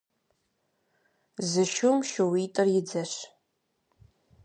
Зы шум шууитӀыр и дзэщ.